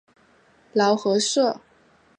劳合社。